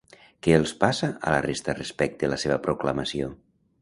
Què els passa a la resta respecte la seva proclamació?